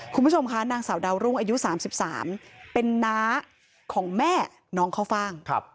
คุณผู้ชมค่ะนางสาวดาวรุ่งอายุ๓๓เป็นน้าของแม่น้องข้าวฟ่าง